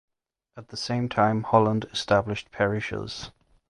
At the same time Holland established parishes.